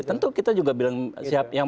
tentu kita juga bilang